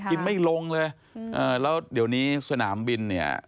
ไม่ลงเลยแล้วเดี๋ยวนี้สนามบินเนี่ย